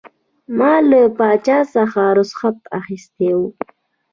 ما له پاچا څخه رخصت اخیستی وو.